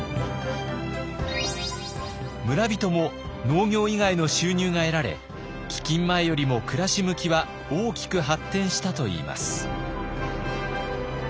村人も農業以外の収入が得られ飢饉前よりも暮らし向きは大きく発展したといいます。